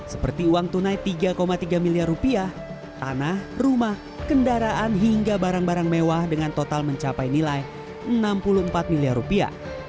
seperti uang tunai tiga tiga miliar rupiah tanah rumah kendaraan hingga barang barang mewah dengan total mencapai nilai enam puluh empat miliar rupiah